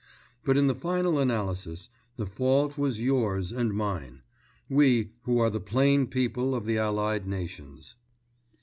But in the final analysis the fault was yours and mine—we who are the plain people of the Allied Nations.